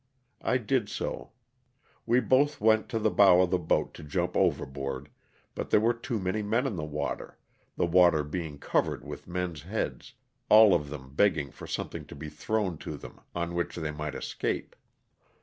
I did so. We both went to the bow of the boat to jump overboard, but there were too many men in the water, the water being covered with men's heads, all of them begging for something to be thrown to them on which they might escape.